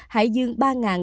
hải dương ba bảy trăm bảy mươi